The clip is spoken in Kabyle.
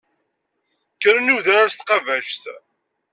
Kkren i wedrar s tqabact.